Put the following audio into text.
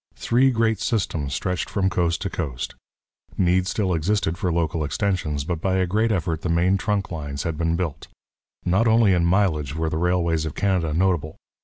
Three great systems stretched from coast to coast. Need still existed for local extensions, but by a great effort the main trunk lines had been built. Not only in mileage were the railways of Canada notable.